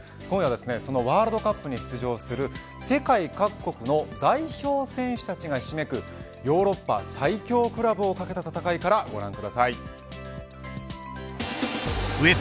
今夜はワールドカップに出場する世界各国の代表選手たちがひしめくヨーロッパ最強クラブをかけた戦いからご覧ください。